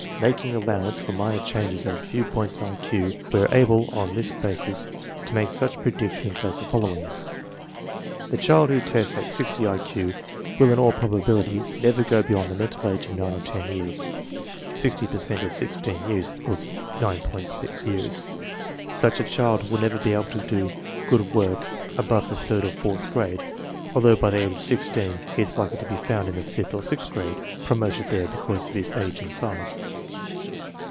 Making allowance for minor changes of a few points in I Q we are able on this basis to make such predictions as the following: The child who tests at 60 I Q will in all probability never go beyond the mental age of nine or ten years (sixty per cent of 16 years = 9.6 years). Such a child will never be able to do good work above the third or fourth grade, although by the age of sixteen he is likely to be found in the fifth or sixth grade, promoted there because of age and size.